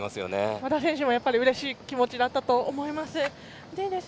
和田選手もうれしい気持ちだったと思います。